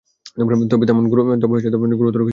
তবে তেমন গুরুতর কিছু না।